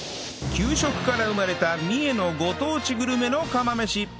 給食から生まれた三重のご当地グルメの釜飯